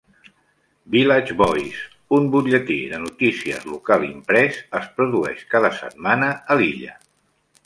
"Village Voice", un butlletí de notícies local imprès, es produeix cada setmana a l'illa.